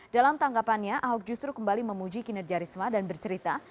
dalam tanggapannya ahok justru kembali memuji kinerja risma dan bercerita